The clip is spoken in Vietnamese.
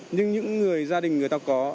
nhưng những người gia đình người ta có